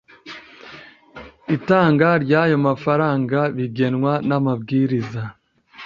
itanga ry ayo mafaranga bigenwa n amabwiriza